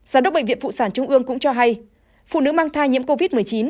giám đốc bệnh viện phụ sản trung ương cũng cho hay phụ nữ mang thai nhiễm covid một mươi chín